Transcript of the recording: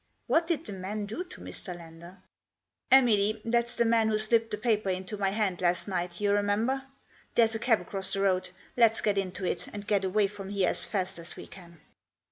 "What did the man do to Mr. Lander ?"" Emily, that's the man who slipped the paper into my hand last night — you remember? There?s a cab across the road ; let's get into it and get away from here as fast as we can."